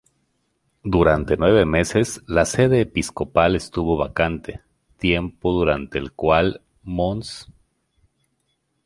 Durante nueve meses la sede episcopal estuvo vacante, tiempo durante el cual Mons.